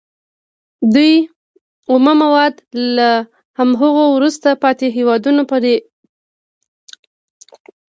دوی اومه مواد له هماغو وروسته پاتې هېوادونو پېري